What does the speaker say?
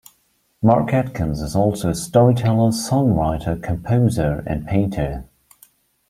Mark Atkins is also a storyteller, songwriter, composer and painter.